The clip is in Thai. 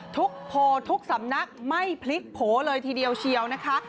โพลทุกสำนักไม่พลิกโผล่เลยทีเดียวเชียวนะคะ